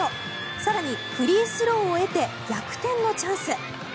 更に、フリースローを得て逆転のチャンス。